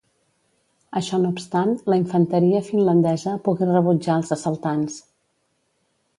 Això no obstant, la infanteria finlandesa pogué rebutjar els assaltants.